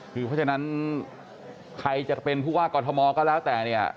คือเพราะฉะนั้นใครจะเป็นผู้ว่ากอทมก็แล้วแต่เนี่ย